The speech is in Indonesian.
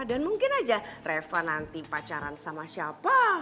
dan mungkin aja reva nanti pacaran sama siapa